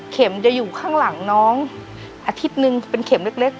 จะอยู่ข้างหลังน้องอาทิตย์นึงเป็นเข็มเล็ก